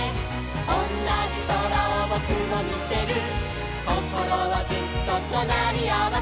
「おんなじ空をぼくもみてる」「こころはずっととなりあわせ」